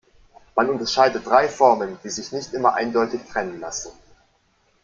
Man unterscheidet drei Formen, die sich nicht immer eindeutig trennen lassen.